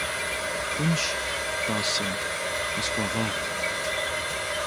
Хъунщ, тӀасэ, къысхуэгъэгъу.